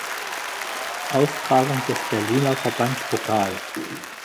Austragung des Berliner Verbandspokal.